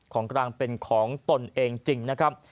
ของกลางเป็นของตนเองจริงนะครับ